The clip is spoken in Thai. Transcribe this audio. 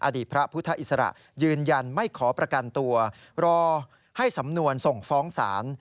อดีตพระพุทธอิสระยืนยันไม่ขอประกันตัวรอให้สำนวนส่งฟ้องศาล